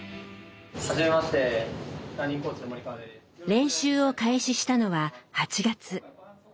練習を開始したのは８月。